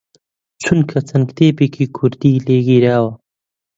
چونکە چەند کتێبێکی کوردی لێ گیراوە